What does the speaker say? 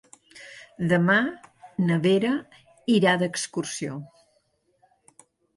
Demà na Vera irà d'excursió.